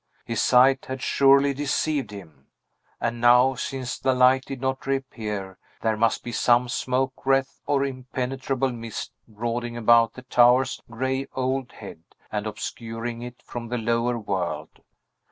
His sight had surely deceived him. And now, since the light did not reappear, there must be some smoke wreath or impenetrable mist brooding about the tower's gray old head, and obscuring it from the lower world.